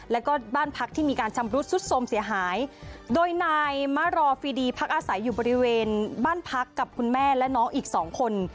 แล้วก็บ้านพักที่มีการชำรุดสุดสมเสียหายโดยนายมะรอฟีดีพักอาศัยอยู่บริเวณบ้านพักกับคุณแม่และน้องอีกสองคน